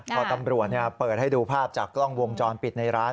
พอตำรวจเปิดให้ดูภาพจากกล้องวงจรปิดในร้าน